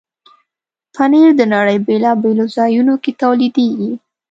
پنېر د نړۍ بیلابیلو ځایونو کې تولیدېږي.